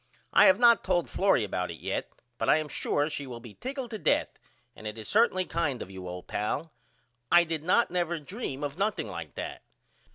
I have not told Florrie about it yet but I am sure she will be tickled to death and it is certainly kind of you old pal. I did not never dream of nothing like that.